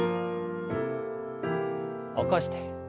起こして。